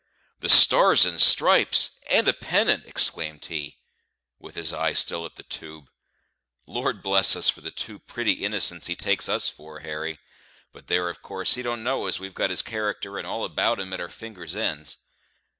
"The stars and stripes, and a pennant!" exclaimed he, with his eye still at the tube. "Lord bless us for the two pretty innocents he takes us for, Harry; but there, of course he don't know as we've got his character and all about him at our fingers' ends.